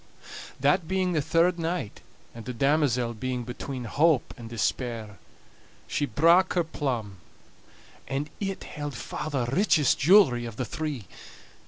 That being the third night, and the damosel being between hope and despair, she brak her plum, and it held far the richest jewelry of the three.